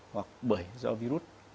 hoặc bởi do virus